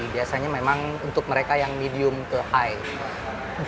biasanya memang untuk mereka yang medium ke high